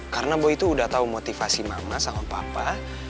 karena boy tuh udah tau motivasi mama sama papa